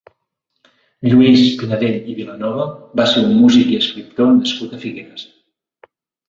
Lluís Pinadell i Vilanova va ser un músic i escriptor nascut a Figueres.